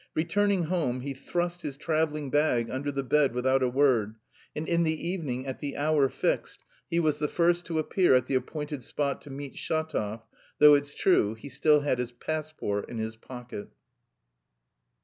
Returning home, he thrust his travelling bag under the bed without a word, and in the evening at the hour fixed he was the first to appear at the appointed spot to meet Shatov, though it's true he still had his passport in his pocket.